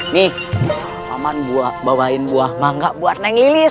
nih paman bawa buah mangga buat neng lilis